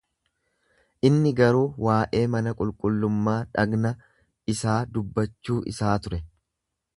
Inni garuu waa'ee mana qulqullummaa dhagna isaa dubbachuu isaa ture.